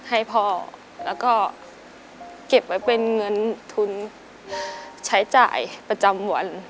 ให้พ่อแล้วก็เก็บไว้เป็นเงินทุนใช้จ่ายประจำวัน